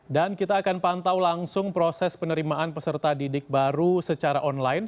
kita akan pantau langsung proses penerimaan peserta didik baru secara online